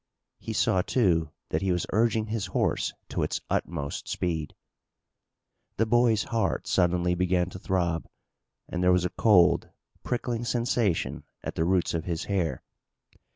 He saw, too, that he was urging his horse to its utmost speed. The boy's heart suddenly began to throb, and there was a cold, prickling sensation at the roots of his hair.